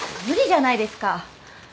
無理じゃないですか。